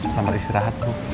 selamat istirahat bu